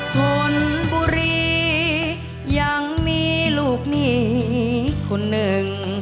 ทนบุรียังมีลูกหนีคนหนึ่ง